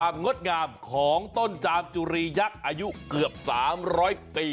งดงามของต้นจามจุรียักษ์อายุเกือบ๓๐๐ปี